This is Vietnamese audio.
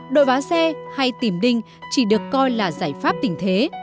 đội vá xe hay tìm đinh chỉ được coi là giải pháp tình thế